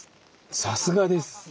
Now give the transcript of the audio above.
さすがです。